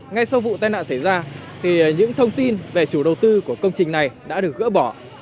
ngay sau vụ tai nạn xảy ra những thông tin về chủ đầu tư của công trình này đã được gỡ bỏ